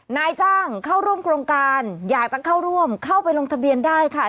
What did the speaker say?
นายจ้างเข้าร่วมโครงการอยากจะเข้าร่วมเข้าไปลงทะเบียนได้ค่ะ